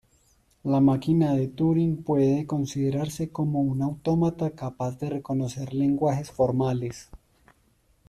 La máquina de Turing puede considerarse como un autómata capaz de reconocer lenguajes formales.